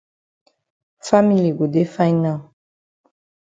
Family go dey fine now.